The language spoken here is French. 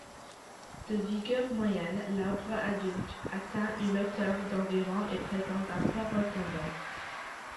De vigueur moyenne, l'arbre adulte atteint une hauteur d'environ et présente un port retombant.